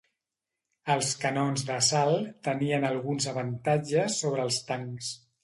Els canons d'assalt tenien alguns avantatges sobre els tancs.